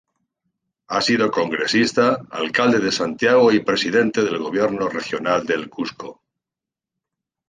Ha sido Congresista, alcalde de Santiago y presidente del Gobierno Regional del Cusco.